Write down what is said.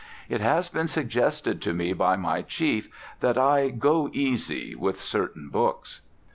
it has been suggested to me by my chief that I "go easy" with certain books.